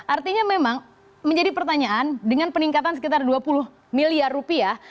artinya memang menjadi pertanyaan dengan peningkatan sekitar dua puluh miliar rupiah